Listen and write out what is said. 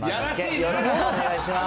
よろしくお願いします。